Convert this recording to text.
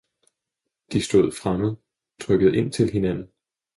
De stod fremmed, trykkede ind til hinanden.